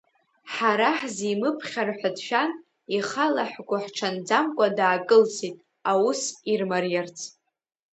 Ҳара ҳзимыԥхьар ҳәа дшәан, ихала ҳгәыҳҽанӡамкәа даакылсит, аус ирмариарц.